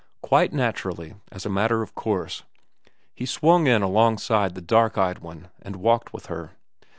Quite naturally, as a matter of course, he swung in along side the dark eyed one and walked with her.